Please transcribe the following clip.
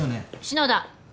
篠田。